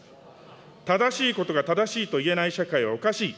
正しいことが正しいと言えない社会はおかしい。